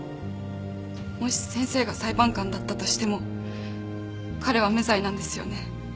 もし先生が裁判官だったとしても彼は無罪なんですよね。